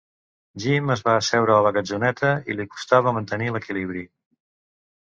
Jim es va asseure a la gatzoneta i li costava mantenir l'equilibri.